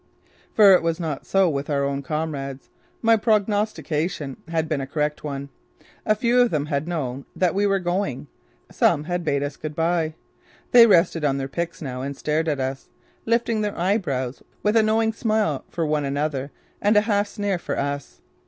For it was not so with our own comrades. My prognostication had been a correct one. A few of them had known that we were going; some had bade us good bye. They rested on their picks now and stared at us, lifting their eyebrows, with a knowing smile for one another and a half sneer for us.